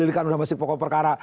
itu masih pokok perkara